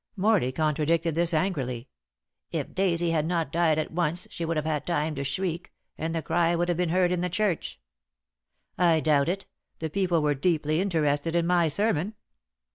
Morley contradicted this angrily. "If Daisy had not died at once she would have had time to shriek, and the cry would have been heard in the church." "I doubt it. The people were deeply interested in my sermon."